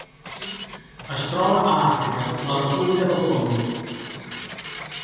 Es troba a Àfrica: la República del Congo.